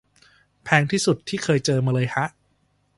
แพงที่สุดที่เคยเจอมาเลยฮะ